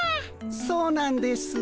そうなんです。